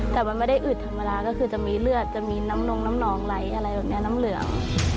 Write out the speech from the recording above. แต่มันไม่ได้อืดธรรมดาก็คือจะมีเลือดจะมีน้ำนงน้ำนองไร้อะไรแบบนี้น้ำเหลือง